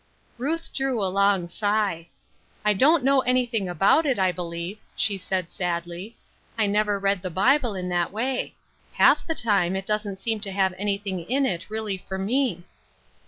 Ruth drew a long sigh. " I don't know any thing about it, I believe," she said, sadly ;" I never read the Bible in that way. Half the time it doesn't seem to have anything in it really for me."